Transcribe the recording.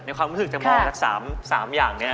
ในความรู้สึกจากศักดิ์น๓อย่างนั้น